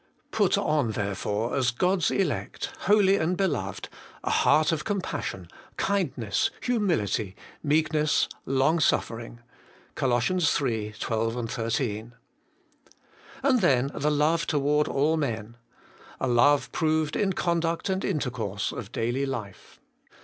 ' Put on therefore, as God's elect, holy and beloved, a heart of compassion, kindness, humility, meekness, long suffering' (Col. iii. 12, 13). And then the love toward all men. A love proved in the conduct and intercourse of daily life.